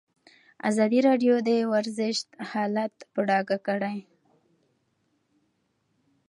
ازادي راډیو د ورزش حالت په ډاګه کړی.